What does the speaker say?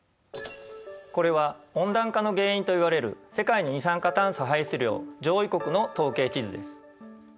これは温暖化の原因といわれる世界の二酸化炭素排出量上位国の統計地図です。